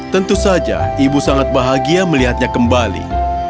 tentu saja ibu sangat bahagia melihatnya kembali